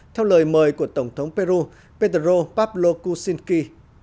theo lời mời của tổng thống peru pedro pablo kuczynski